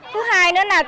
thứ hai nữa là